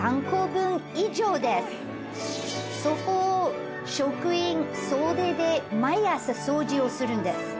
そこを職員総出で毎朝掃除をするんです。